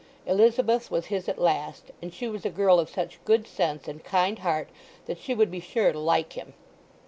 Elizabeth was his at last and she was a girl of such good sense and kind heart that she would be sure to like him.